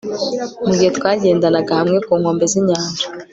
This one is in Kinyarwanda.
mugihe twagendanaga hamwe ku nkombe zinyanja